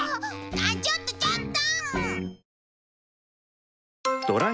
あちょっとちょっと！